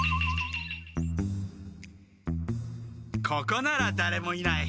ここならだれもいない。